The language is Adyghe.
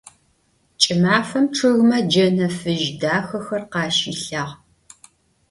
Ç'ımafem ççıgme cene fıj daxexer khaşilhağ.